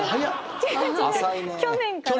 去年から？